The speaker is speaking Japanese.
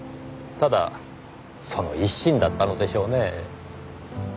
ただその一心だったのでしょうね。